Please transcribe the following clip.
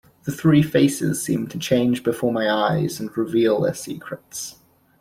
The three faces seemed to change before my eyes and reveal their secrets.